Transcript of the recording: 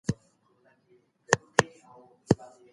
دغه حاجي چي دی د پوهني په برخي کي تر ټولو ښه دی.